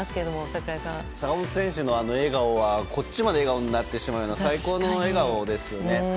坂本選手のあの笑顔はこっちまで笑顔になってしまうような最高の笑顔ですよね。